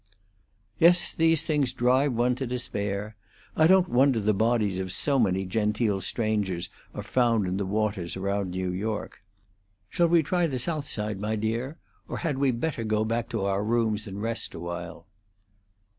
"Yes; these things drive one to despair. I don't wonder the bodies of so many genteel strangers are found in the waters around New York. Shall we try the south side, my dear? or had we better go back to our rooms and rest awhile?"